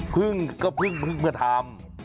พึ่งก็เพิ่งมาทำ